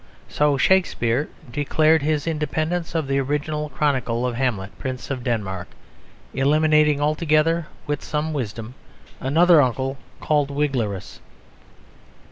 So Shakespeare declared his independence of the original chronicle of Hamlet, Prince of Denmark, eliminating altogether (with some wisdom) another uncle called Wiglerus.